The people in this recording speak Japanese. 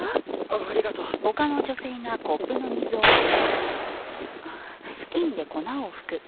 ありがとう。ああ！